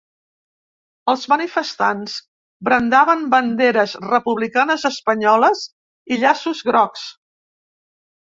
Els manifestants brandaven banderes republicanes espanyoles i llaços grocs.